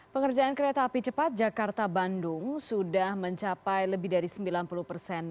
pengerjaan kereta api cepat jakarta bandung sudah mencapai lebih dari sembilan puluh persen